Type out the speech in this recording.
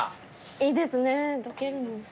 いいですね溶けるの。